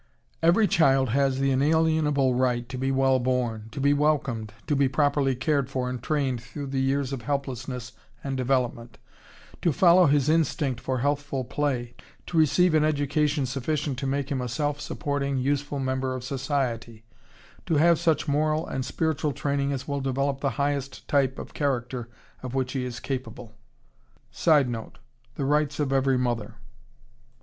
] _Every child has the inalienable right to be well born, to be welcomed, to be properly cared for and trained through the years of helplessness and development, to follow his instinct for healthful play, to receive an education sufficient to make him a self supporting, useful member of society, to have such moral and spiritual training as will develop the highest type of character of which he is capable._ [Sidenote: The rights of every mother.